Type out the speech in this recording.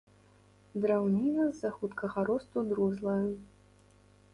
Драўніна з-за хуткага росту друзлая.